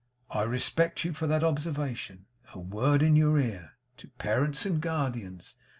I respect you for that observation. A word in your ear. To Parents and Guardians.